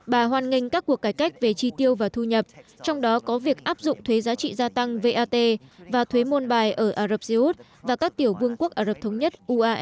bà hoan nghênh các cuộc cải cách về chi tiêu và thu nhập trong đó có việc áp dụng thuế giá trị gia tăng vat và thuế môn bài ở ả rập xê út và các tiểu vương quốc ả rập thống nhất